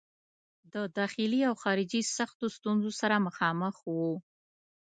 د داخلي او خارجي سختو ستونزو سره مخامخ وو.